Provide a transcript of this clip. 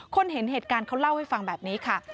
เห็นเหตุการณ์เขาเล่าให้ฟังแบบนี้ค่ะ